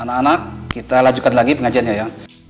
anak anak kita lanjutkan lagi pengajiannya ya